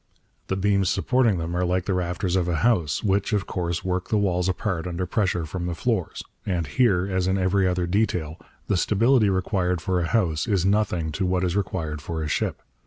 The beams supporting them are like the rafters of a house, which, of course, work the walls apart under pressure from the floors and here, as in every other detail, the stability required for a house is nothing to what is required for a ship.